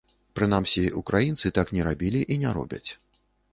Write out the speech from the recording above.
Прынамсі, украінцы так не рабілі і не робяць.